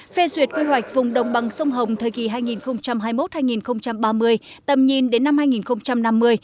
phê duyệt quy hoạch vùng đồng bằng sông hồng thời kỳ hai nghìn hai mươi một hai nghìn ba mươi tầm nhìn đến năm hai nghìn năm mươi